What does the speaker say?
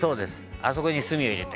あそこに炭を入れて」